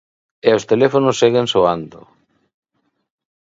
E os teléfonos seguen soando.